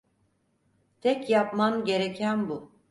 Tek yapman gereken bu.